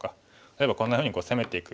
例えばこんなふうに攻めていく。